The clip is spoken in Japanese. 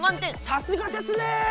さすがですね！